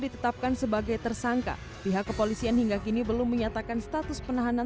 ditetapkan sebagai tersangka pihak kepolisian hingga kini belum menyatakan status penahanan